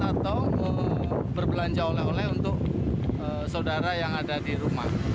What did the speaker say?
atau berbelanja oleh oleh untuk saudara yang ada di rumah